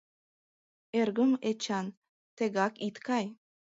— Эргым, Эчан, тегак ит кай.